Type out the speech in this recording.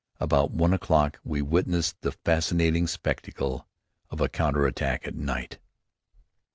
About one o'clock, we witnessed the fascinating spectacle of a counter attack at night.